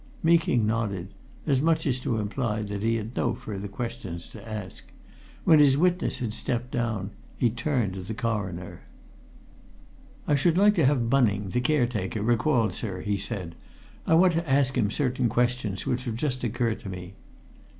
Meeking nodded, as much as to imply that he had no further questions to ask; when his witness had stepped down, he turned to the Coroner. "I should like to have Bunning, the caretaker, recalled, sir," he said. "I want to ask him certain questions which have just occurred to me.